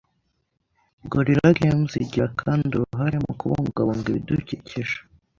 Gorilla Games igira kandi uruhare mu kubungabunga ibidukikije